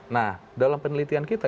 nah dalam penelitian kita